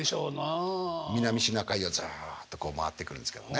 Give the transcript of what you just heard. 南シナ海をずっとこう回ってくるんですけどね。